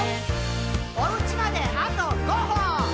「おうちまであと５歩！」